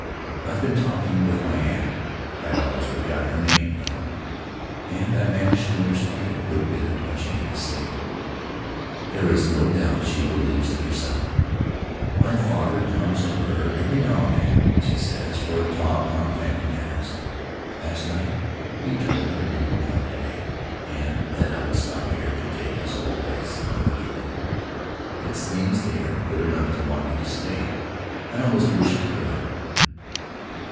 I've been talking with my aunt — I'd almost forgotten her name, you know — and I managed to understand a good bit of what she had to say. ... There is no doubt she believes it herself. My father His Mother's People comes to her every now and then, she says, for a talk on family matters; last night he told her we would come to day, and that I would stop here to take his old place among the people. It seems they are good enough to want me to stay — I almost wish I could.'